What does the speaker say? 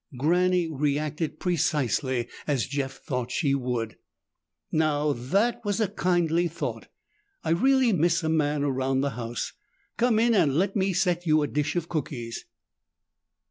Granny reacted precisely as Jeff had thought she would. "Now that was a kindly thought! I really miss a man around the house. Come in and let me set you a dish of cookies."